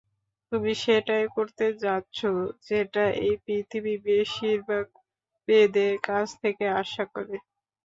তুমি সেটাই করতে যাচ্ছ যেটা এই পৃথিবী বেশিরভাগ মেয়েদের কাছ থেকে আশা করে।